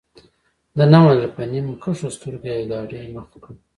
ده نه منله په نیم کښو سترګو یې ګاډۍ مخ کړه.